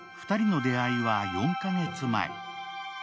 ２人の出会いは４カ月前。